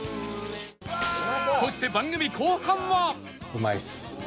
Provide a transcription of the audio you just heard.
そして番組後半は